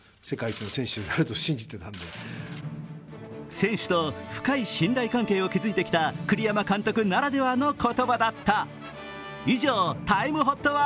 選手と深い信頼関係を築いてきた栗山監督ならではの言葉だった。